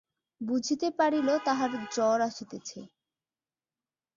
বুঝিতে পারিল তাহার জ্বর আসিতেছে।